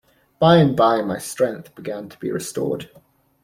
By and by my strength began to be restored.